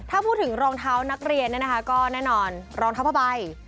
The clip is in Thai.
ถ้าพูดถึงรองเท้านักเรียนเนี่ยนะคะก็แน่นอนรองเท้าผ้าใบ